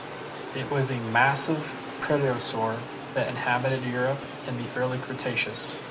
It was a massive pterosaur that inhabited Europe in the Early Cretaceous.